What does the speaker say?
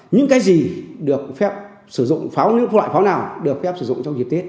những cái gì được phép sử dụng những loại pháo nào được phép sử dụng trong dịp tết